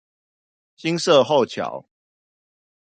新社後橋